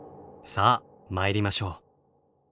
さあ参りましょう。